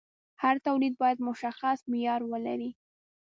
هر تولید باید مشخص معیار ولري.